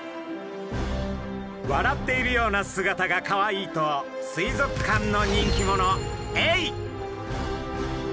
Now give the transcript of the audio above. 笑っているような姿がかわいいと水族館の人気者エイ。